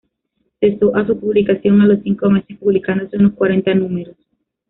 Cesó a su publicación a los cinco meses, publicándose unos cuarenta números.